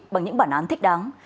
bằng những bản án thích đáng